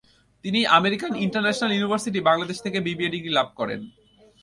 তিনি American International University, Bangladesh থেকে BBA degree লাভ করেন।